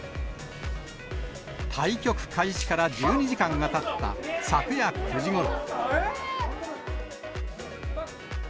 対局開始から１２時間がたった昨夜９時ごろ。